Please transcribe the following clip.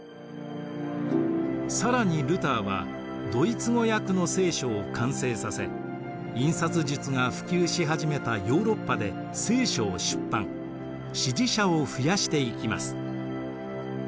更にルターはドイツ語訳の「聖書」を完成させ印刷術が普及し始めたヨーロッパで「聖書」を出版支持者を増やしていきます。